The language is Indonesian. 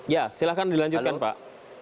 ya silakan dilanjutkan pak